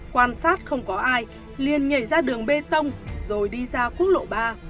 quan sát không có ai liền nhảy ra đường bê tông rồi đi ra quốc lộ ba